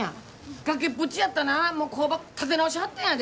崖っぷちやったな工場立て直しはったんやで！